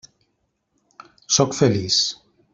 Sóc feliç.